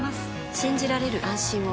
信じられる、安心を。